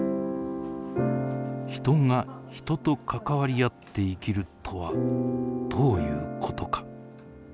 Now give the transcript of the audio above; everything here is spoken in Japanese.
人が人と関わり合って生きるとはどういうことか。